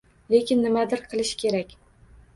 Lekin nimadir qilish kerak